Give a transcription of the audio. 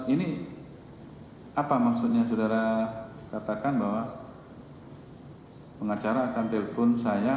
ini apa maksudnya saudara katakan bahwa pengacara akan telpon saya